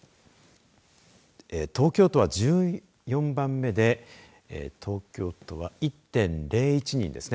東京都は１４番目で１．０１人ですね。